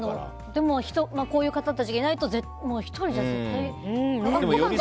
でもこういう方たちがいないと１人じゃ絶対できない。